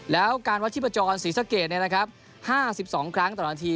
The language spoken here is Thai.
แล้วการวัดที่ประจอนศรีสะเกรดเนี่ยนะครับ๕๒ครั้งต่อนาที